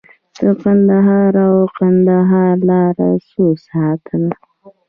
د هرات او کندهار لاره څو ساعته ده؟